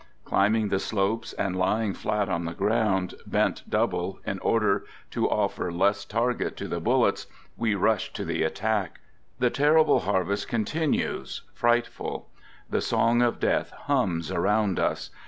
Climbing the slopes, and lying flat on the ground, bent double, in order to offer less target to the bullets, we rush to the attack! The terrible harvest continues, frightful ; the song of death hums around us.